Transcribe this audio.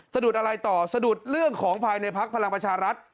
สะดุดอะไรต่อสะดุดเรื่องของภายในพักพลังประชารัฐ